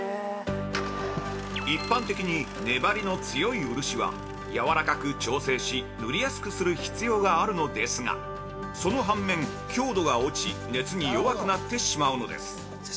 一般的に、粘りの強い漆はやわらかく調整し塗りやすくする必要があるのですが、その反面、強度が落ち熱に弱くなってしまうのです。